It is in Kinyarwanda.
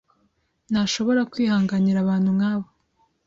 ntashobora kwihanganira abantu nkabo.